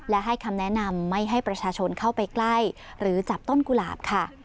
และให้คำแนะนำไม่ให้ประชาชนเข้าไปใกล้หรือจับต้นกุหลาบค่ะ